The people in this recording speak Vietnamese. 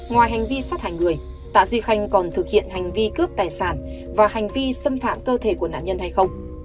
ngoài hành vi sát hại người tạ duy khanh còn thực hiện hành vi cướp tài sản và hành vi xâm phạm cơ thể của nạn nhân hay không